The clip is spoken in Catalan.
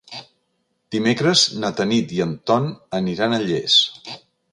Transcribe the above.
Dimecres na Tanit i en Ton aniran a Llers.